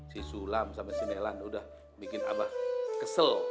si sulam sama si nelan udah bikin abah kesel